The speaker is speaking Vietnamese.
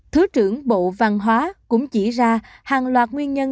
thứ trưởng bộ văn hóa cũng chỉ ra hàng loạt nguyên nhân